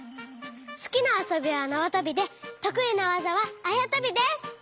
すきなあそびはなわとびでとくいなわざはあやとびです！